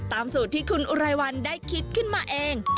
สูตรที่คุณอุไรวันได้คิดขึ้นมาเอง